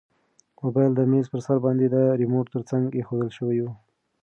موبایل د میز په سر باندې د ریموټ تر څنګ ایښودل شوی و.